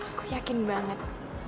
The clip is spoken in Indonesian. aku yakin banget